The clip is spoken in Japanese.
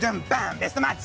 ベストマッチ！